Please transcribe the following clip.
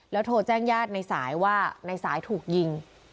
โทรแจ้งญาติในสายว่าในสายถูกยิง